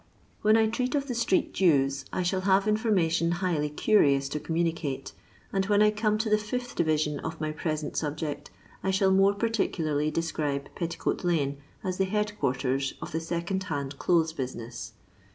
When I treat of the street Jews, I shall have information highly curious t') communicate, and when I come to the fifth division of my present subject, I shall more particularly describe Petticoat lane, as the head quarters of the second hand clothes business.